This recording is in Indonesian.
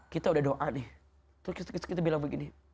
kita udah doa nih terus kita bilang begini